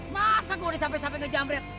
masa gue udah sampe sampe ngejamret